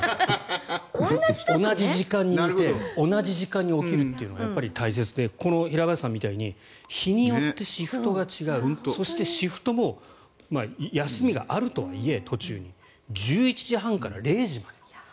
同じ時間に寝て同じ時間に起きるというのがやっぱり大切でこの平林さんみたいに日によってシフトが違うシフトも休みがあるとはいえ途中に１１時半から０時まで。